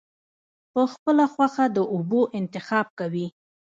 پۀ خپله خوښه د اوبو انتخاب کوي -